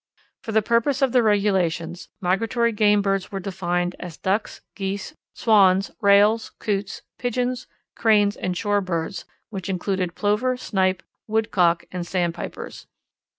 For the purpose of the regulations, migratory game birds were defined as Ducks, Geese, Swans, Rails, Coots, Pigeons, Cranes, and shore birds, which included Plover, Snipe, Woodcock, and Sandpipers.